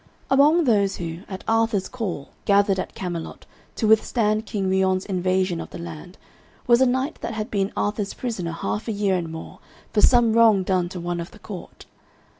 Among those who, at Arthur's call, gathered at Camelot to withstand King Ryons' invasion of the land was a knight that had been Arthur's prisoner half a year and more for some wrong done to one of the court.